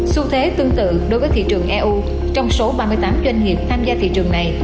xu thế tương tự đối với thị trường eu trong số ba mươi tám doanh nghiệp tham gia thị trường này